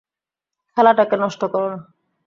খেলাটাকে নষ্ট কর না।